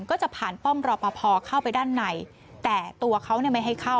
ก็จะผ่านป้อมรอปภเข้าไปด้านในแต่ตัวเขาเนี่ยไม่ให้เข้า